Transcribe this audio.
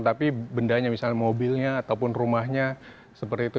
tapi bendanya misalnya mobilnya ataupun rumahnya seperti itu